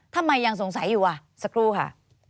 ทำไมยังสงสัยอยู่ว่ะสักครู่ค่ะ